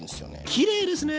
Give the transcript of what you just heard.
きれいですね。